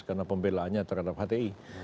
karena pembelaannya terhadap hti